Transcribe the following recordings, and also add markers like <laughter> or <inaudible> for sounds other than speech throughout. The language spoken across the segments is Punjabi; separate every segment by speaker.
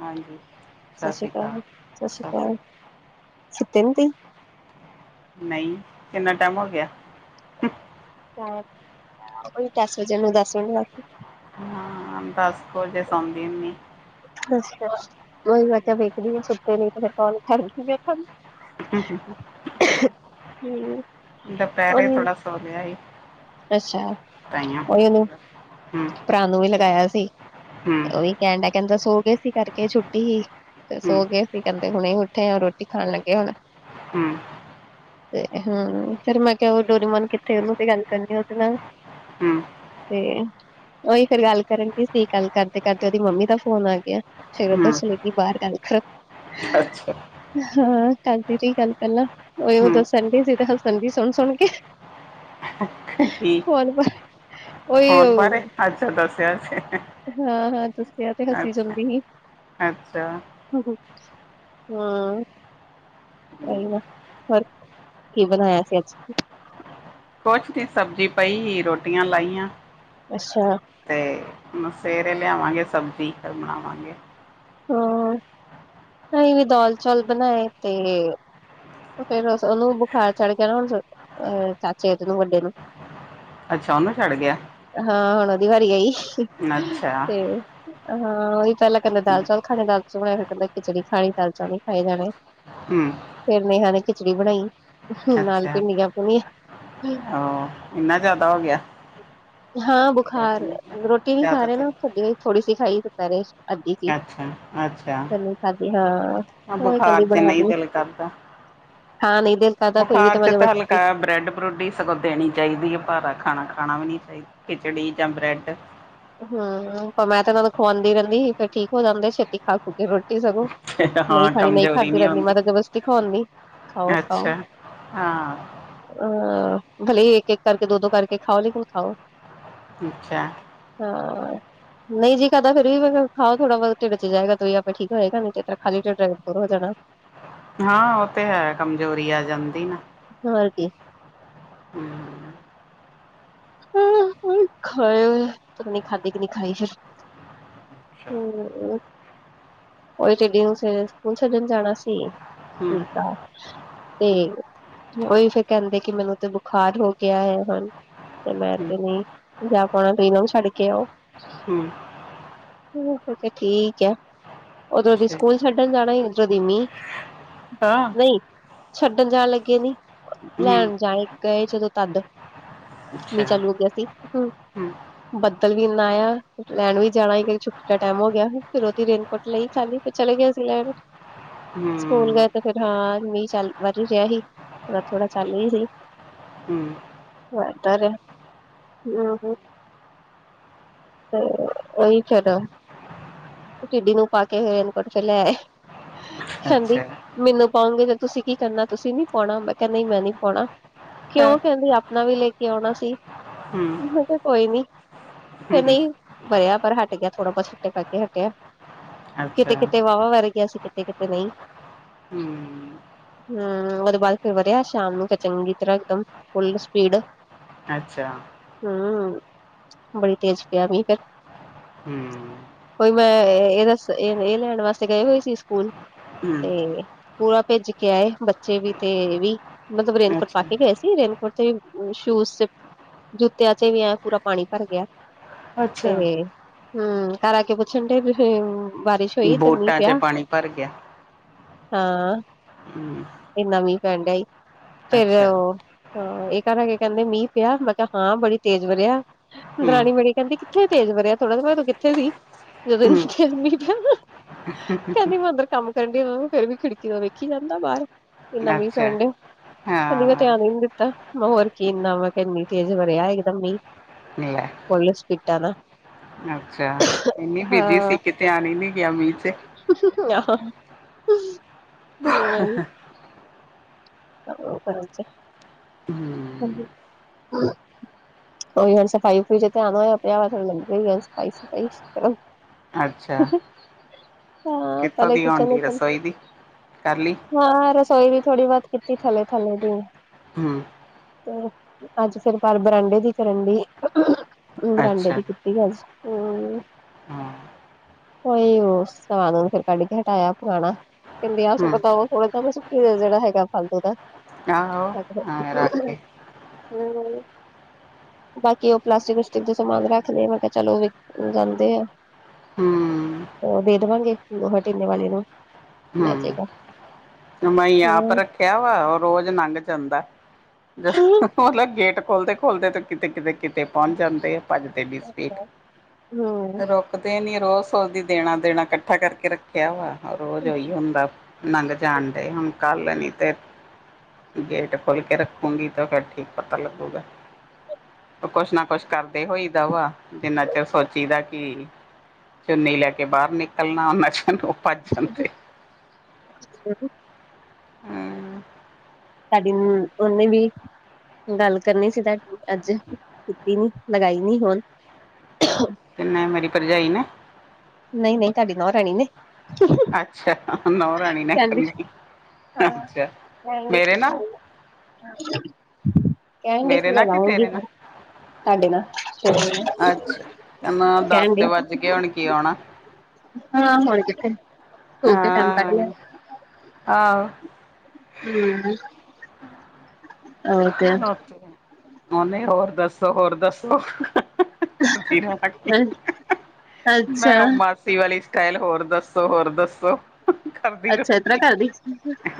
Speaker 1: ਹਾਂਜੀ।
Speaker 2: ਸਤਿ ਸ਼੍ਰੀ ਅਕਾਲ ਸਤਿ ਸ਼੍ਰੀ ਅਕਾਲ ਸੁੱਤੇ ਨਹੀਂ ਤੁਸੀਂ
Speaker 1: ਨਹੀਂ ਕਿੰਨਾ ਟਾਈਮ ਹੋ ਗਿਆ।
Speaker 2: ਹਾਂ ਉਹੀ ਦਸ ਵਜਣ ਨੂੰ ਦਸ ਮਿੰਟ ਹਾਂ।
Speaker 1: ਹਾਂ, ਦੱਸ ਕੁ ਵਜੇ ਸੌਂਦੀ ਹੁੰਦੀ।
Speaker 2: ਅੱਛਾ ਵਹੀ ਬੱਚਾ ਵੇਖਦੀਏ ਸੁਛੱਤੇ ਨਹੀਂ ਫਿਰ ਕੌ ਕਰਦੀ
Speaker 1: ਹੂੰ-
Speaker 2: ਤੁਹਾਨੂੰ।
Speaker 1: ਹੂੰ ਦੁਪਹਿਰੇ
Speaker 2: ਉਹਨੂੰ
Speaker 1: ਥੋੜਾ ਸੋ ਲਿਆ ਈ।
Speaker 2: ਅੱਛਾ- ਉਹੀ ਉਹਨੂੰ?
Speaker 1: ਹੂੰ
Speaker 2: ਭਰਾ ਨੂੰ ਵੀ ਲਗਾਇਆ ਸੀ। ਤੇ
Speaker 1: ਹੂੰ
Speaker 2: ਉਹੀ ਕਹਿਣ ਡਿਆ, ਕਹਿੰਦਾ ਸੋ ਗਏ ਸੀ ਕਰਕੇ ਛੁੱਟੀ। ਤੇ
Speaker 1: ਹੂੰ
Speaker 2: ਸੋ ਗਏ ਅਸੀਂ ਕਹਿੰਦੇ ਹੁਣੇ ਉੱਠੇ ਆ ਰੋਟੀ ਖਾਣ ਲੱਗੇ ਹੁਣ।
Speaker 1: ਹੂੰ!
Speaker 2: ਤੇ ਹੂੰ, ਫਿਰ ਮੈਂ ਕਿਹਾ ਡੋਰੀਮੋਨ ਕਿੱਥੇ ਉਨੂ ਪੇ ਗੱਲ ਕਰਨੀ ਉਹਦੇ ਨਾਲ।
Speaker 1: ਹੂੰ
Speaker 2: ਤੇ, ਉਹੀ ਫਿਰ ਗੱਲ ਕਰਨ ਡਈ ਸੀ ਗੱਲ ਕਰਦੇ-ਕਰਦੇ ਉਹਦੀ ਮੰਮੀ ਦਾ ਫੋਨ ਆ ਗਿਆ। ਫੇਰ ਉਹ ਤਾਂ
Speaker 1: ਹੂੰ
Speaker 2: <unintelligible> ਚਲੇ ਗਈ, ਬਾਹਰ ਗੱਲ ਕਰੋ।
Speaker 1: ਅੱਛਾ।
Speaker 2: ਹਾਂ, ਕਰਦੀ ਰਹੀ ਗੱਲ ਪਹਿਲਾਂ, ਉਹੀਉ
Speaker 1: ਹੂੰ
Speaker 2: ਦਸਣਗੇ ਫਿਰ ਹਸਣਗੇ ਸੁਣ ਸੁਣ ਕੇ। <inaudible>
Speaker 1: ਕੀ
Speaker 2: ਕੋਲ ਪਰ ਉਹੀ
Speaker 1: ਫੋਣ ਬਾਰੇ ਅੱਛਾ ਦੱਸਿਆੱਜ <unintelligible>
Speaker 2: ਹਾਂ- ਹਾਂ ਤੁਸੀਂ ਕਿਹਾਂ ਤੇ ਹਸੀ ਜਾਂਦੀ ਸੀ।
Speaker 1: ਅੱਛਾ।
Speaker 2: ਹੁ-ਹੂ ਹੂੰ।
Speaker 1: ਹੂੰ।
Speaker 2: ਓਹੀ ਨਾ, ਫਿਰ ਕੀ ਬਣਾਇਆ ਸੀ ਅੱਜ?
Speaker 1: ਕੁਛ ਦੀ ਸਬਜ਼ੀ ਪਈ ਰੋਟੀਆਂ ਲਾਈਆਂ।
Speaker 2: ਅੱਛਾ।
Speaker 1: ਫਿਰ। ਸਵੇਰੇ ਲਿਆਵਾਂਗੇ ਸਬਜ਼ੀ ਫਿਰ ਬਣਾਵਾਂਗੇ।
Speaker 2: ਹੂੰ ਓਹੀ ਦਾਲ ਚਾਵਲ ਬਣਾਏ ਤੇ? ਫੇਰ ਉਹਨੂੰ ਬੁਖਾਰ ਚੜ੍ਹ ਗਿਆ ਨ ਹੁਣ, ਅ ਚਾਚੇ ਉਹਦੇ ਨੂੰ ਵੱਡੇ ਨੂੰ।
Speaker 1: ਅੱਛਾ ਉਹਨੂੰ ਛੱਡ ਗਿਆ।
Speaker 2: ਹਾਂ ਹੁਣ ਉਹਦੀ ਵਾਰੀ ਆਈ।
Speaker 1: ਅੱਛਾ
Speaker 2: ਤੇ, ਹਾਂ, ਉਹੀ ਪਹਿਲਾਂ ਕਹਿੰਦਾ ਦਾਲ- ਚਾਵਲ ਖਾਣੇ, ਦਾਲ ਚਾਵਲ ਬਣਾਏ, ਫਿਰ ਕਹਿੰਦਾ ਖਿਚੜੀ ਖਾਣੀ, ਦਾਲ ਚਾਵਲ ਨਹੀਂ ਖਾਏ ਜਾਣੇ।
Speaker 1: ਹੂੰ।
Speaker 2: ਫਿਰ ਨੇਹਾਂ ਨੇ ਖਿਚੜੀ ਬਣਾਈ, ਨਾਲ
Speaker 1: ਅੱਛਾ
Speaker 2: ਭਿੰਡੀਆਂ ਭੁੰਣੀਆਂ।
Speaker 1: ਉਹ ਇੰਨਾ ਜ਼ਿਆਦਾ ਹੋ ਗਿਆ।
Speaker 2: ਹਾਂ, ਬੁਖਾਰ ਰੋਟੀ ਨਹੀਂ ਖਾ
Speaker 1: ਜ਼ਿਆਦਾ
Speaker 2: ਰਹਿਆਂ
Speaker 1: ਤੇ
Speaker 2: ਨਾ, ਭਿੰਡੀ ਥੋੜੀ ਸੀ ਖਾਈ ਦੁਪਹਿਰੇ। ਅੱਧੀ ਕੀ।
Speaker 1: ਅੱਛਾ ਅੱਛਾ
Speaker 2: ਫਿਰ ਨਹੀਂ ਖਾਂਦੀ ਹਾਂ।
Speaker 1: ਹਾਂ
Speaker 2: ਓਹੀ
Speaker 1: ਬੁਖਾਰ
Speaker 2: ਕਹਿੰਦੀ
Speaker 1: ਚ
Speaker 2: ਬਣਾ
Speaker 1: ਨਹੀਂ
Speaker 2: ਦੋ।
Speaker 1: ਦਿਲ ਕਰਦਾ
Speaker 2: ਹਾਂ ਨਹੀਂ ਦਿਲ ਕਰਦਾ, ਫਿਰ ਵੀ ਤਾਂ ਜਬਰਦਸਤੀ।
Speaker 1: ਰੋਟੀ ਸਗੋਂ ਦੇਣੀ ਚਾਹੀਦੀ ਹੈ। ਭਾਰਾ ਖਾਣਾ-ਖਾਣਾ ਵੀ ਨੀ ਚਾਹੀਦਾ ਖਿਚੜੀ ਜਾਂ ਬ੍ਰੈਡ?
Speaker 2: ਹੂੰ, ਪਰ ਮੈਂ ਤੇ ਇਹਨਾਂ ਨੂੰ ਖੁਵਾਉਂਦੀ ਰਹਿੰਦੀ ਸੀ, ਫਿਰ ਠੀਕ ਹੋ ਜਾਂਦੇ, ਛੇਤੀ ਖਾ- ਖੂ ਕੇ ਰੋਟੀ ਸਗੋ।
Speaker 1: ਹਾਂ
Speaker 2: ਨਹੀਂ ਖਾਣੀ, ਨਹੀਂ
Speaker 1: ਕਮਜ਼ੋਰੀ
Speaker 2: ਖਾਦੀ ਜਾਂਦੀ। ਮੈਂ
Speaker 1: ਆਉਂਦੀ
Speaker 2: ਜਬਰਦਸਤੀ ਖਵਾਉਂਦੀ‌। ਖਾਓ- ਖਾਓ।
Speaker 1: ਅੱਛਾ ਹਾਂ
Speaker 2: ਹਾਂ ਭਲੇ ਇੱਕ- ਇੱਕ ਕਰਕੇ ਦੋ-ਦੋ ਕਰਕੇ ਖਾਓ, ਲੇਕਿਨ ਖਾਓ।
Speaker 1: ਅੱਛਾ,
Speaker 2: ਹਾਂ ਨਹੀਂ ਜੀ ਕਾਰਦਾ, ਫਿਰ ਵੀ ਖਾਓ ਥੋੜਾ ਬਹੁਤ ਢਿੱਡ ਚ ਜਾਏਗਾ। ਤਾਂ ਹੀ ਆਪੇ ਠੀਕ ਹੋਵੇਗਾ। ਨਹੀਂ ਤੇ ਇਸ ਤਰ੍ਹਾਂ ਖਾਲੀ ਢਿੱਡ ਹੋਰ ਹੋ ਜਾਣਾ। <unintelligible>
Speaker 1: ਹਾਂ, ਉਹ ਤੇ ਹੈ, ਕਮਜ਼ੋਰੀ ਆ ਜਾਂਦੀ ਨਾ।
Speaker 2: ਹੋਰ ਕੀ।
Speaker 1: ਹਮ
Speaker 2: ਹੂ ਹੂ, ਖਾਏ ਪਤਾ ਨਹੀਂ ਖਾਂਦੀ ਕਿ ਨਹੀਂ ਖਾਈ ਫਿਰ? ਹਮ <unintelligible> ਓਹੀ ਟਿਡੀ ਨੂ ਸਵੇਰੇ ਸਕੂਲ ਛੱਡਣ ਜਾਣਾ ਸੀ।
Speaker 1: ਹਮ
Speaker 2: ਠੀਕ ਆ। ਤੇ ਉਹੀ ਫ਼ਿਰ ਕਹਿੰਦੇ ਕਿ ਮੈਨੂੰ ਤੇ ਬੁਖਾਰ ਹੋ ਗਿਆ ਹੈ। ਹਨ। ਤੇ ਮੈਂ
Speaker 1: ਹਮ
Speaker 2: ਤੇ ਨਹੀਂ ਜਾ ਪਾਉਣਾ ਤੁਸੀ ਇਹਨਾਂ ਨੂੰ ਛੱਡ ਕੇ ਆਓ।
Speaker 1: ਹਮ
Speaker 2: ਮੈਂ ਕਿਹਾ ਠੀਕ ਹੈ। ਉਧਰੋਂ ਦੀ ਸਕੂਲ ਛੱਡਣ ਜਾਣਾ ਸੀ, ਉਧਰੋਂ ਦੀ ਮੀਂਹ।
Speaker 1: ਹਾਂ।
Speaker 2: ਨਹੀਂ ਛੱਡਣ ਜਾਣ ਲੱਗੇ ਨਹੀਂ।
Speaker 1: ਹਮ
Speaker 2: ਲੈਣ ਜਾਏ ਗਏ ਜਦੋਂ ਤਦ।
Speaker 1: ਅੱਛਾ
Speaker 2: ਮੀਂਹ ਚਾਲੂ ਹੋ ਗਿਆ ਸੀ। ਹੂ।
Speaker 1: ਹਮ
Speaker 2: ਬੱਦਲ ਵੀ ਇੰਨਾ ਆਇਆ। ਲੈਣ ਵੀ ਜਾਣਾ ਕਿ, ਛੁੱਟੀ ਦਾ ਟਾਈਮ ਹੋ ਗਿਆ। ਫਿਰ ਉਹਦੀ ਰੇਨਕੋਟ ਲਈ। ਚੱਲੀ, ਫਿਰ ਚਲੇ ਗਏ ਅਸੀ ਲੈਂਣ। ਸਕੂਲ
Speaker 1: ਹਮ
Speaker 2: ਗਏ ਤੇ ਫਿਰ ਹਾਂ ਮੀਹ ਚੱਲ ਵਰ ਬਾਰਿਸ਼ ਪੈ ਰਹੀ ਸੀ। ਥੋੜਾ-ਥੋੜਾ ਚਲ <unintelligible>
Speaker 1: ਹੂੰ।
Speaker 2: <unintelligible> ਤੇ ਉਹੀ ਚਲੋ ਟਿੱਡੀ ਨੂੰ ਪਾ ਕੇ ਇਹ ਰੇਨਕੋਟ ਚ ਲੈ ਆਏ, ਕਹਿੰਦੀ
Speaker 1: ਅੱਛਾ
Speaker 2: ਮੈਨੂੰ ਪਾਉਂਗੇ ਤੇ ਤੁਸੀਂ ਕੀ ਕਰਨਾ, ਤੁਸੀਂ ਨੀ ਪਾਉਣਾ, ਮੈਂ ਕਿਹਾ ਨਹੀਂ ਮੈਂ ਨੀ ਪਾਉਣਾ। ਕਿਉਂ, ਕਹਿੰਦੀ ਆਪਣਾ ਵੀ ਲੈ ਕੇ ਆਉਣਾ ਸੀ, ਮੈਂ ਕੋਈ ਨੀ ਫਿਰ, ਨਹੀਂ ਵਰਿਆ, ਪਰ ਹਟ ਗਿਆ, ਥੋੜਾ-ਬਹੁਤ ਛੱਟੇ ਪੈਕੇ ਹਟਿਆ, ਕਿਤੇ-ਕਿਤੇ ਵਾਹਵਾ ਵਰ ਗਿਆ ਸੀ। ਕਿੱਥੇ-ਕਿੱਥੇ ਨਹੀਂ? ਹੂੰ, ਉਹਦੇ ਬਾਅਦ ਫਿਰ ਵਰਿਆ ਸ਼ਾਮ ਨੂੰ ਫਿਰ ਚੰਗੀ ਤਰ੍ਹਾਂ, ਇਕਦਮ ਫੁੱਲ ਸਪੀਡ
Speaker 1: ਅੱਛਾ।
Speaker 2: ਹੂੰਅ, ਬੜੀ ਤੇਜ਼ ਪਿਆ ਮੀਂਹ ਫੇਰ।
Speaker 1: ਹੂਆ।
Speaker 2: ਹੋਈ, ਮੈਂ ਇਹ ਦੱਸ, ਇਹ-ਇਹ ਲੈਣ ਵਾਸਤੇ ਗਏ ਹੋਏ ਸੀ ਸਕੂਲ
Speaker 1: ਹੂੰ
Speaker 2: ਤੇ ਪੂਰਾ ਭਿੱਜ ਕੇ ਆਏ, ਬੱਚੇ ਵੀ ਤੇ ਇਹ ਵੀ, ਮਤਲਬ ਰੇਨਕੋਟ ਪਾ
Speaker 1: ਅੱਛਾ
Speaker 2: ਕੇ ਗਏ ਸੀ, ਰੇਨਕੋਟ ਤੇ ਵੀ ਸ਼ੂਜ ਚ ਜੁੱਤਿਆਂ ਚ ਵੀ, ਐਂ ਪੂਰਾ ਪਾਣੀ ਭਰ ਗਿਆ,
Speaker 1: ਅੱਛਾ
Speaker 2: ਤੇ ਹੂੰਅ, ਘਰ ਆਕੇ ਪੁਛਣ ਡਏ ਵੀ, ਬਾਰਿਸ਼ ਹੋਈ ਇਧਰ ਮੀਂਹ
Speaker 1: ਬੋਟਾਂ 'ਚ
Speaker 2: ਪਿਆ?
Speaker 1: ਪਾਣੀ ਭਰ ਗਿਆ
Speaker 2: ਹਾਂ।
Speaker 1: <inaudible>
Speaker 2: ਇੰਨ੍ਹਾਂ ਮੀਂਹ ਪੈਣ ਡਿਆ ਈ, ਫੇਰ
Speaker 1: ਅੱਛਾ
Speaker 2: ਉਹ ਹਾਂ, ਇਹ ਘਰ ਆ ਕੇ ਕਹਿੰਦੇ ਮੀਂਹ ਪਿਆ, ਮੈਂ ਕਿਹਾ ਹਾਂ ਬੜੀ ਤੇਜ਼ ਵਰਿਆ,
Speaker 1: ਹੂੰ
Speaker 2: ਦਰਾਣੀ ਮੇੜੀ ਕਹਿੰਦੀ ਕਿੱਥੇ ਤੇਜ਼ ਵਰਿਆ, ਥੋੜ੍ਹਾ <unintelligible> ਤੂੰ ਕਿੱਥੇ ਸੀ, ਜਦੋਂ
Speaker 1: ਹੂੰ
Speaker 2: ਇੰਨਾ ਤੇਜ਼ ਮੀਆ ਪਿਆ। ਕਹਿੰਦੀ ਮੈਂ
Speaker 1: <inaudible>
Speaker 2: ਅੰਦਰ ਕੰਮ ਕਰਨ ਡਈ ਹੋਵਾ ਮੈਂ, ਫਿਰ ਵੀ ਖਿੜਕੀ ਵਲ ਵੇਖੀ ਜਾਂਦਾ ਬਾਹਰ। ਕਿਨਹਾ ਮੀਂਹ
Speaker 1: ਅੱਛਾ
Speaker 2: ਪੈਣ ਡੇਇਆ, ਕਹਿੰਦੀ ਮੈਂ
Speaker 1: ਹਾਂ
Speaker 2: ਧਿਆਨ ਈ ਨੀ ਦੀ ਹੋਰ ਕੀ ਇੰਨਾ ਮੈਂ ਕਿਹਾ ਇੰਨੀ ਤੇਜ਼ ਵਰਿਆ ਇੱਕਦਮ ਮੀਂਹ।
Speaker 1: <inaudible>
Speaker 2: ਫੁੱਲ ਸਪੀਟਾ ਨਾ
Speaker 1: ਅੱਛਾ, ਇਨੀ ਬਿਜੀ ਸੀ ਕੇ ਧਿਆਨ ਹੀ ਨੀ ਗਿਆ ਮੀਂਹ ਚ
Speaker 2: ਹੂੰਅ ਹੂ <unintelligible>
Speaker 1: ਹੂੰ
Speaker 2: <inaudible> ਉਹੀ ਹੁਣ ਸਫ਼ਾਈ-ਸਫੁਈ ਧਿਆਨ ਹੋਇਆ ਪਿਆ, <unintelligible> ਸਫ਼ਾਈ-ਸਫੁਈ
Speaker 1: ਅੱਛਾ
Speaker 2: <inaudible>
Speaker 1: ਕਿੱਥੋਂ ਦੀ ਆਉਂਦੀ ਰਸੋਈ ਦੀ ਕਰ ਲਈ
Speaker 2: ਹਾਂ, ਰਸੋਈ ਦੀ ਥੋੜ੍ਹੀ-ਬਹੁਤ ਕੀਤੀ ਥੱਲੇ-ਥੱਲੇ ਦੀ
Speaker 1: ਹੂਅ
Speaker 2: ਤੇ ਅੱਜ ਫਿਰ ਬਾਹਰ ਬਰਾਂਡੇ ਦੀ ਕਰਨ ਡਈ, ਬਰਾਂਡੇ
Speaker 1: ਅੱਛਾ
Speaker 2: ਦੀ ਕੀਤੀ <inaudible>
Speaker 1: ਹਾਂ
Speaker 2: ਉਈ ਉਸ ਸਾਬ ਨਾਲ ਫਿਰ ਕੱਢ ਕੇ ਹਟਾਇਆ ਪੁਰਾਣਾ ਕਹਿੰਦੀ ਆ
Speaker 1: ਹੂੰ
Speaker 2: ਸੁੱਟ ਦੋ, ਮੈਂ ਕਿਹਾ ਇਦਾ ਨੀ ਸੁੱਟੀ ਦਾ, ਜਿਹੜਾ ਹੈਗਾ ਫਾਲਤੂ ਦਾ
Speaker 1: ਆਹੋ ਐਂ ਰੱਖ ਕੇ
Speaker 2: <inaudible> ਬਾਕੀ ਉਹ ਪਲਾਸਟਿਕ-ਪੁਲਿਸਟਿਕ ਦੇ ਸਮਾਨ ਰੱਖਲੇ, ਮੈਂ ਕਿਹਾ ਚਲੋ ਉਹ ਵਿਕ ਜਾਂਦੇ ਆ।
Speaker 1: ਹੂੰ
Speaker 2: ਉਹ ਦੇ ਦੇਵਾਂਗੇ ਲੋਹਾਟੀਨੇ ਵਾਲੇ ਨੂੰ ਲੈ
Speaker 1: ਹੂੰ
Speaker 2: ਜੇਗਾ।
Speaker 1: <unintelligible> ਆਪ ਰੱਖਿਆ ਵਾ ਉਹ ਰੋਜ ਨੰਘ ਜਾਂਦਾ
Speaker 2: ਹੂੰ
Speaker 1: ਉਹ ਗੇਟ ਖੋਲਦੇ-ਖੋਲਦੇ ਤੇ ਕਿਤੇ-ਕਿਤੇ-ਕਿਤੇ ਪਹੁੰਚ ਜਾਂਦੇ ਆ। ਭੱਜਦੇ ਵੀ ਸਪੀਟ ਰੁਕਦੇ ਨੀ, ਰੋਜ਼ ਸੋਚਦੀ ਦੇਣਾ-ਦੇਣਾ ਇਕੱਠਾ ਕਰਕੇ ਰੱਖ ਕਹਿਆ ਵਾ ਰੋਜ਼ ਉਹੀ ਹੁੰਦਾ, ਨੰਗ ਜਾਣ ਡੇ, ਹੁਣ ਕੱਲ ਨੀ ਤੇ ਗੇਟ ਖੋਲ ਕੇ ਰੱਖੂਗੀ, ਤਾਂ ਫਿਰ ਠੀਕ ਪਤਾ ਲੱਗੂਗਾ। ਕੁਛ ਨਾ ਕੁਛ ਕਰਦੇ ਹੋਈਦਾ ਵਾ, ਜਿੰਨਾ ਚਿਰ ਸੋਚੀ ਦਾ ਕੀ ਚੁੰਨੀ ਲੈ ਕੇ ਬਾਹਰ ਨਿਕਲਣਾ, ਉਹਨਾਂ ਚ ਉਹ ਭੱਜ ਜਾਂਦੇ।
Speaker 2: <unintelligible>
Speaker 1: ਹੂੰ
Speaker 2: ਤੁਹਾਡੀ ਨੂੰ ਉਹਨੇ ਵੀ, ਗੱਲ ਕਰਨੀ ਸੀ, ਤੁਹਾਡੀ ਅੱਜ ਕੀਤੀ ਨੀ ਲਗਾਈ ਨੀ ਹੁਣ
Speaker 1: <unintelligible> ਮੇਰੀ ਭਰਜਾਈ ਨਾ,
Speaker 2: ਨਹੀਂ-ਨਹੀਂ ਤੁਹਾਡੀ ਨੂੰਹ ਰਣੀ ਨੇ,
Speaker 1: ਅੱਛਾ, ਨੂੰਹ ਰਾਣੀ ਨੇ
Speaker 2: ਕਹਿੰਦੀ ਸੀ
Speaker 1: ਕਰਨੀ
Speaker 2: ਹਾਂ
Speaker 1: ਅੱਛਾ
Speaker 2: ਕਹਿਣ ਡਈ
Speaker 1: ਮੇਰੇ
Speaker 2: ਸੀ
Speaker 1: ਨਾਲ,
Speaker 2: ਕਹਿਣ ਡੀ
Speaker 1: ਮੇਰੇ ਨਾਲ ਕਿ ਤੇਰੇ
Speaker 2: <unintelligible>
Speaker 1: ਨਾਲ
Speaker 2: ਤੁਹਾਡੇ ਨਾਲ ਸ
Speaker 1: ਅੱਛਾ, ਕੇਦਾ ਦੱਸ ਤੇ ਵੱਜ ਗੇ ਹੋਣ ਗੇ ਹੁਣ
Speaker 2: ਹਾਂ, ਹੁਣ ਕਿੱਥੇ ਸੋ ਕੇ ਟਾਈਮ ਕੱਢ ਲਿਆ
Speaker 1: ਹਾਂ, ਆਹੋ।
Speaker 2: ਹੂੰ ਔਰ
Speaker 1: ਉਹਨੇ ਹੋਰ ਦੱਸੋ ਹੋਰ ਦੱਸੋ ਕਰਦੀ ਰਹਿਣਾ।
Speaker 2: ਅੱਛਾ
Speaker 1: ਮੈਂ ਓ ਮਾਸੀ ਵਾਲੀ ਸਟਾਈਲ ਹੋਰ ਦੱਸੋ ਹੋਰ ਦੱਸੋ। ਕਰਦੀ
Speaker 2: ਅੱਛਾ ਇਸ ਤਰ੍ਹਾਂ
Speaker 1: ਰਖੀ,
Speaker 2: ਕਰਦੀ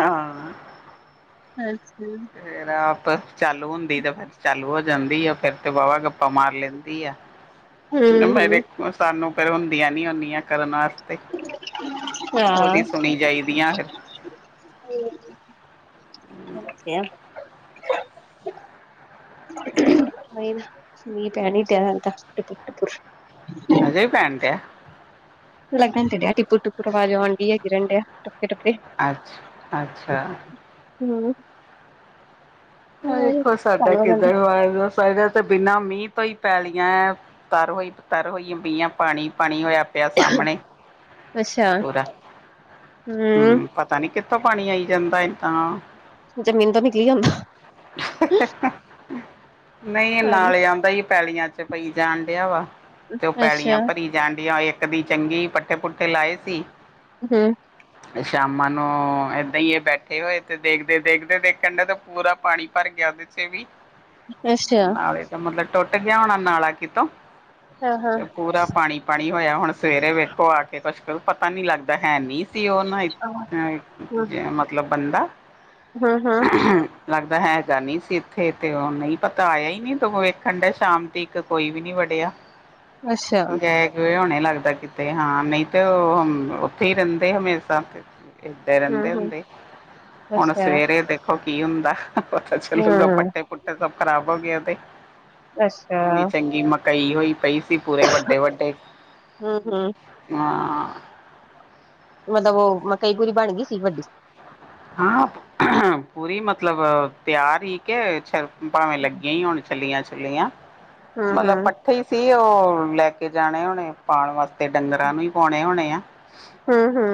Speaker 1: ਹਾਂ
Speaker 2: ਅੱਛਾ
Speaker 1: ਫਿਰ ਆਪ ਚਾਲੂ ਹੁੰਦੀ ਤੇ ਫਿਰ ਚਾਲੂ ਹੋ ਜਾਂਦੀ ਆ, ਫੇਰ ਤੇ ਵਾਹਵਾ ਗੱਪਾਂ ਮਾਰ ਲੈਂਦੀ ਆ।
Speaker 2: <unintelligible>
Speaker 1: ਮੇਰੇ
Speaker 2: ਹੂੰ
Speaker 1: ਸਾਨੂੰ ਫੇਰ ਹੁੰਦੀਆਂ ਨੀ ਹੁੰਦੀਆਂ ਕਰਨ ਵਾਸਤੇ,
Speaker 2: ਹਾਂ
Speaker 1: ਉਹਦੀ ਸੁਣੀ ਜਾਈਦੀ ਆ ਫਿਰ
Speaker 2: <unintelligible> ਨਹੀਂ ਨਾ ਮੀਹ ਪੈਣ ਹੀ ਦਿਆ ਦਾ ਟਿਪਕ-ਟਿਪਕ,
Speaker 1: ਅਜੇ ਵੀ ਪੈੈਂਣ ਦਿਆ
Speaker 2: ਲੱਗਣ ਤੇ ਡੇਆ ਟਿਪੁਰ-ਟੁਪਰ ਆਵਾਜ਼ ਆਣ ਡੀਆ ਗਿਰਨ ਡਿਆ ਟੁਪਕੇ ਟੁਪੇ
Speaker 1: ਅੱਛਾ-ਅੱਛਾ,
Speaker 2: ਹੂੰ,
Speaker 1: ਦੇਖੋ ਸਾਡਾ
Speaker 2: ਚੱਲ ਹੋ ਜਾਂਦਾ
Speaker 1: <unintelligible> ਸਾਡੇ ਤੇ ਬਿਨਾਂ ਮੀਂਹ ਤੋਂ ਹੀ ਪੈਲੀਆਂ ਏਂ ਤਰ ਹੋਈ ਤਰ ਹੋਈ ਪਈਆਂ ਪਾਣੀ-ਪਾਣੀ ਹੋਇਆ। ਪਿਆ ਸਾਹਮਣੇ
Speaker 2: ਅੱਛਾ
Speaker 1: ਪੂਰਾ ਹੂੰ। ਪਤਾ ਨਹੀਂ ਕਿੱਥੋਂ ਪਾਣੀ ਆਈ ਜਾਂਦਾ ਐ ਤਾਂ,
Speaker 2: ਜ਼ਮੀਨ ਤੋਂ ਨਿਕਲੀ ਜਾਦਾ।
Speaker 1: ਨਹੀਂ ਐ
Speaker 2: ਪਾਣੀ
Speaker 1: ਨਾਲੇ ਆਦਾ ਹੀ ਪੈਲੀਆਂ ਚ, ਪਈ ਜਾਣ ਡਿਆ ਵਾ, ਤੇ ਉਹ
Speaker 2: ਅੱਛਾ
Speaker 1: ਪੈਲੀਆਂ ਭਰੀ ਜਾਂਡੀਆਂ ਇੱਕ ਦੀ ਚੰਗੀ ਪੱਠੇ-ਪੁੱਠੇ ਲਾਏ ਸੀ।
Speaker 2: ਹੂੰ,
Speaker 1: ਸ਼ਾਮਾਂ ਨੂੰ ਏਦਾਂ ਹੀ ਬੈਠੇ ਹੋਏ ਤੇ ਦੇਖਦੇ-ਦੇਖਦੇ ਦੇਖਣ ਦਾ ਤਾਂ ਪੂਰਾ ਪਾਣੀ ਭਰ ਗਿਆ, ਉਹਦੇ ਚ ਵੀ
Speaker 2: ਅੱਛਾ
Speaker 1: ਨਾਲੇ ਤਾਂ ਮਤਲਬ ਟੁੱਟ ਗਿਆ, ਹੋਣਾ ਨਾਲਾ ਕਿਤੋਂ
Speaker 2: ਹਾਂ ਹਾਂ
Speaker 1: ਅਤੇ ਪੂਰਾ ਪਾਣੀ, ਪਾਣੀ ਹੋਇਆ, ਹੁਣ ਸਵੇਰੇ ਵੇਖੋ ਆ ਕੇ ਕੁੱਛ ਪਤਾ ਨੀ ਲੱਗਦਾ ਹੈ, ਨੀ ਸੀ, ਉਹ ਨਾ ਮਤਲਬ ਬੰਦਾ
Speaker 2: ਹੂੰ-ਹੂੰ,
Speaker 1: ਲੱਗਦਾ ਹੈਗਾ ਨੀ ਸੀ, ਇੱਥੇ ਤੇ ਉਹ ਨਹੀਂ ਪਤਾ ਆਇਆ ਹੀ ਨਹੀਂ ਦੋਂ ਵੇਖਣ ਡੇ ਸ਼ਾਮ ਦੀ ਕੋਈ ਵੀ ਨੀ ਵੜਿਆ
Speaker 2: ਅੱਛਾ
Speaker 1: ਗ ਹੁਣੇ ਲੱਗਦਾ, ਕਿਤੇ ਹਾਂ ਨਹੀਂ ਤੇ ਉਹ ਉੱਥੇ ਹੀ ਰਹਿੰਦੇ ਹਮੇਸ਼ਾ ਏਦਾਂ
Speaker 2: ਹੂੰ
Speaker 1: ਰਹਿੰਦੇ
Speaker 2: ਹੂੰ
Speaker 1: ਹੁੰਦੇ ਹੁਣ
Speaker 2: ਅੱਛਾ
Speaker 1: ਸਵੇਰੇ ਦੇਖੋ ਕੀ ਹੁੰਦਾ। ਪਤਾ ਚੱਲੂਗਾ,
Speaker 2: ਹੂੰ
Speaker 1: ਪੱਟੇ ਪੁੱਟੇ ਸਭ ਖ਼ਰਾਬ ਹੋ ਗਏ ਉਹਦੇ ਇੰਨੀ
Speaker 2: ਅੱਛਾ
Speaker 1: ਚੰਗੀ ਮ ਕਈ ਹੋਈ ਪਈ ਸੀ, ਪੂਰੇ ਵੱਡੇ-ਵੱਡੇ ਹਾਂ।
Speaker 2: ਮਤਲਬ ਉਹ ਮ ਕਈ ਪੂਰੀ ਬਣ ਗਈ ਸੀ, ਵੱਡੀ
Speaker 1: ਹਾਂ, ਪੂਰੀ ਮਤਲਬ ਤਿਆਰ ਹੀ ਕਿ ਛਰ ਭਾਵੇਂ ਲੱਗੀਆਂ ਹੀ ਹੋਣ ਛੱਲੀਆਂ-ਛੁਲੀਆਂ,
Speaker 2: <unintelligible>
Speaker 1: ਮਤਲਬ ਪੱਠੇ ਸੀ। ਉਹ ਲੈ ਕੇ ਜਾਣੇ ਹੁਣੇ ਪਾਉਣ ਵਾਸਤੇ ਤੇ ਡੰਗਰਾਂ ਨੂੰ ਵੀ ਪਾਉਣੇ ਹੋਣੇ ਆ।
Speaker 2: ਹਾ ਹਾ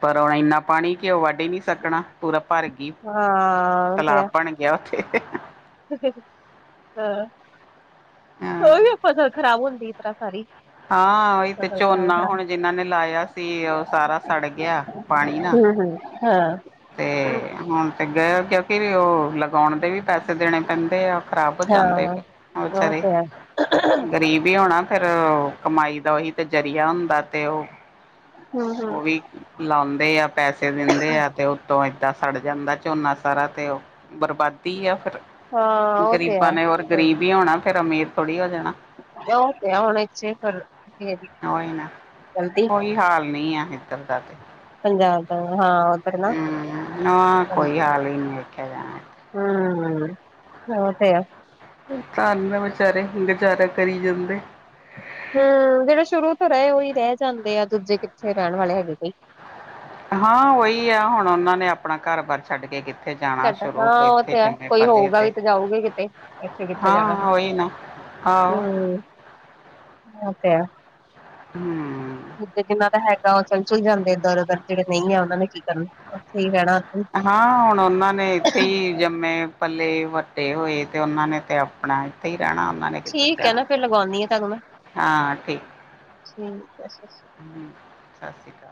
Speaker 1: ਪਰ ਉਹੁਣ ਇੰਨਾ ਪਾਣੀ ਕਿ ਉਹ ਵੱਢ ਹੀ ਨਹੀਂ ਸਕਣਾ ਪੂਰਾ ਭਰ ਗਈ
Speaker 2: ਹਾਂ
Speaker 1: ਤਲਾਬ ਬਣ ਗਈਆਂ ਉੱਥੇ
Speaker 2: ਹੂ ਹਾ ਪਤਾ ਕੀ ਫਸਲ ਖ਼ਰਾਬ ਹੁੰਦੀ। ਇਸ ਤਰ੍ਹਾਂ ਸਾਰੀ
Speaker 1: ਹਾਂ ਉਹੀ ਤੇ
Speaker 2: ਫਸਲ ਖਰਾਬ
Speaker 1: ਝੋਨਾ
Speaker 2: ਕਰਾ
Speaker 1: ਹੁਣ ਜਿਨਾਂ ਨੇ ਲਾਇਆ ਸੀ ਉਹ ਸਾਰਾ ਸੜ ਗਿਆ ਪਾਣੀ ਨਾਲ
Speaker 2: ਹੂੰ, ਹੂੰ। ਹਾਂ
Speaker 1: ਤੇ ਹੁਣ ਤੇ ਗਏ ਕਿਉਂਕਿ ਉਹ ਲਗਾਉਣ ਦੇ ਵੀ ਪੈਸੇ ਦੇਣੇ ਪੈਂਦੇ ਆ ਖ਼ਰਾਬ ਹੋ ਜਾਂਦੇ।
Speaker 2: ਬਹੁ ਤੇ
Speaker 1: ਗ਼ਰੀਬ ਹੀ ਹੋਣਾ। ਫੇਿਰ ਕਮਾਈ ਦਾ ਉਹੀ ਤੇ ਜ਼ਰੀਆ ਹੁੰਦਾ ਤੇ ਉਹ
Speaker 2: ਹੂੰ-ਹੂੰ।
Speaker 1: ਉਹ ਵੀ ਲਾਉਂਦੇ ਆ ਪੈਸੇ ਦਿੰਦੇ ਆ ਤੇ ਤੋਂ ਏਦਾਂ ਸੜ ਜਾਂਦਾ। ਝੋਨਾ ਸਾਰਾ ਤੇ ਉਹ ਬਰਬਾਦੀ ਆ ਫਿਰ
Speaker 2: ਹਾਂ ਉਹ ਤੇ ਆ
Speaker 1: ਗ਼ਰੀਬਾਂ ਨੇ ਹੋਰ ਗਰੀਬ ਹੀ ਹੋਣਾ ਫੇਿਰ ਅਮੀਰ ਥੋੜ੍ਹੀ ਹੋ ਜਾਣਾ
Speaker 2: ਓਕੇ ਹਲਾ ਇਛੇ ਫੱਲ
Speaker 1: ਉਹੀ ਨਾ ਕੋਈ ਹਾਲ ਨਹੀਂ ਆ ਇੱਧਰ ਦਾ ਤੇ,
Speaker 2: ਪੰਜਾਬ ਦਾ ਹਾਂ ਉੱਧਰ ਨਾ,
Speaker 1: ਹਮ ਕੋਈ ਹਾਲ ਹੀ ਨੀ ਵੇਖਿਆ ਜਾਣਾ
Speaker 2: ਹੂੰ, ਔ ਤੇ ਹੈ।
Speaker 1: ਤਾਂ ਧੰਨ ਨੇ ਵਿਚਾਰੇ ਗੁਜ਼ਾਰਾ ਕਰੀ ਜਾਂਦੇ।
Speaker 2: ਹਾ ਜਿਹੜੇ ਸ਼ੁਰੂ ਤੋਂ ਰਹੇ ਉਹੀ ਰਹਿ ਜਾਂਦੇ ਆ ਦੂਜੇ ਕਿੱਥੇ ਰਹਿਣ ਵਾਲੇ ਹੈਗੇ ਪਈ।
Speaker 1: ਹਾਂ ਉਹੀ ਆ ਹੁਣ ਉਹਨਾਂ ਨੇ ਆਪਣਾ ਘਰ ਬਦ ਛੱਡ ਕੇ ਕਿੱਥੇ ਜਾਣਾ।
Speaker 2: ਸਾਡਾ
Speaker 1: ਸ਼ੁਰੂ ਤੋਂ
Speaker 2: ਹਾਂ ਉਹ
Speaker 1: ਇੱਥੇ
Speaker 2: ਤੇ ਹੈ
Speaker 1: ਜੰਮੇ
Speaker 2: ਕੋਈ
Speaker 1: ਪਲੇ
Speaker 2: ਹੋਊਗਾ
Speaker 1: ਤੇ,,
Speaker 2: ਵੀ ਜਾਊਗੇ ਕਿਤੇ
Speaker 1: ਹਾਂ ਹਾਂ ਉਹੀ ਨਾ
Speaker 2: ਹਾ
Speaker 1: ਆਹੋ
Speaker 2: ਉਹ ਤੇ ਹੈ।
Speaker 1: ਹਮ
Speaker 2: ਜਿੰਨਾ ਦਾ ਹੈਗਾ ਉਹ ਚੱਲ ਚੁਲ ਜਾਂਦੇ ਦਰਰ ਜਿਹੜੇ ਨਹੀਂ ਆ ਉਹਨਾਂ ਨੇ ਕੀ ਕਰਨਾ ਉੱਥੇ ਹੀ ਰੈਣਾ।
Speaker 1: ਹਾਂ ਹੁਣ ਉਹਨਾਂ ਨੇ ਇੱਥੇ ਹੀ ਜੰਮੇ ਪੱਲੇ ਵੱਡੇ ਹੋਏ ਤੇ ਉਹਨਾਂ ਨੇ ਤੇ ਆਪਣਾ ਇੱਥੇ ਹੀ ਰਹਿਣਾ ਉਹਨਾਂ ਨੇ ਕਿੱਧਰ
Speaker 2: ਠੀਕ ਹੈ
Speaker 1: ਜਾਣਾ
Speaker 2: ਨਾ ਫਿਰ ਲਗਾਉਂਦੀ ਆ ਤੁਹਾਨੂੰ ਮੈਂ
Speaker 1: ਹਾਂ ਠੀਕ
Speaker 2: ਠੀਕ ਹੈ ਸਤ ਸ਼੍ਰੀ
Speaker 1: ਹਮ ਸਤਿ ਸ਼੍ਰੀ ਅਕਾਲ